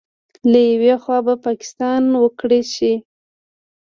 له یوې خوا به پاکستان وکړې شي